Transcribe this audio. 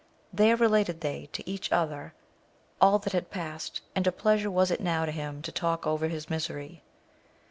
There related they to each other all that had past, and a pleasure was it now to him to talk over his misery.